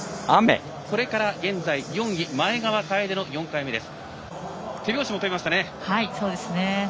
これから現在４位前川楓の４回目です。